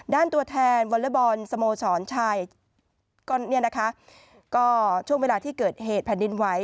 ตัวแทนวอเลอร์บอลสโมสรชายก็ช่วงเวลาที่เกิดเหตุแผ่นดินไหว